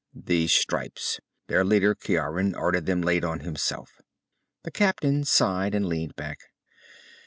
"These stripes. Their leader Ciaran ordered them laid on himself." The captain sighed, and leaned back.